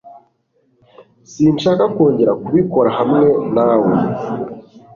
Sinshaka kongera kubikora hamwe nawe .